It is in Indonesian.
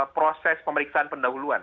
proses pemeriksaan pendahuluan